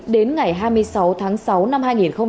đến ngày hai mươi sáu tháng sáu năm hai nghìn hai mươi ba